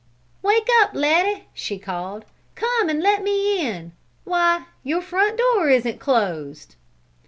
"Wake up, Letty!" she called. "Come and let me in! Why, your front door isn't closed!"